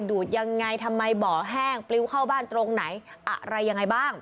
ดูดยังไงทำไมบ่อแห้งปลิวเข้าบ้านตรงไหนอะไรยังไงบ้าง